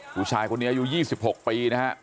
ผู้ชายคนนี้อายุยี่สิบหกปีนะฮะ